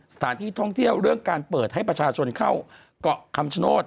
สถานที่ท่องเที่ยวเรื่องการเปิดให้ประชาชนเข้าเกาะคำชโนธ